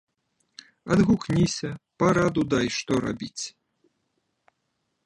Адгукніся, параду дай, што рабіць!